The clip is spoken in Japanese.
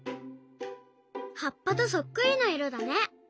はっぱとそっくりないろだね！